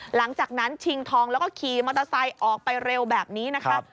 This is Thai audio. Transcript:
หลังจากนั้นชิงทองแล้วก็ขี่มอเตอร์ไซค์ออกไปเร็วแบบนี้นะคะ